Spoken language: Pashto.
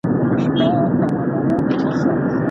نوروز بې اتڼه نه لمانځل کېږي.